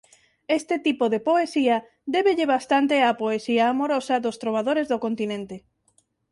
Este tipo de poesía débelle bastante á poesía amorosa dos trobadores do continente.